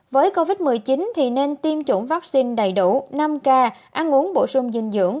với covid một mươi chín thì nên tiêm chủng vaccine đầy đủ năm k ăn uống bổ sung dinh dưỡng